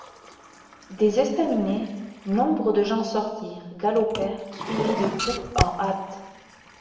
Des estaminets, nombre de gens sortirent, galopèrent, suivis de groupes en hâte.